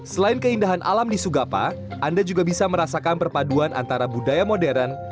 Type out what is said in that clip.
selain keindahan alam di sugapa anda juga bisa merasakan perpaduan antara budaya modern